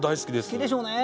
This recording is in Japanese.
好きでしょうね。